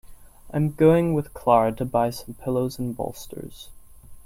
I'm going with Clara to buy some pillows and bolsters.